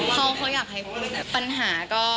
เขาอยากให้พูด